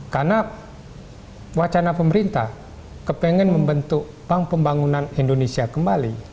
karena wacana pemerintah kepengen membentuk bank pembangunan indonesia kembali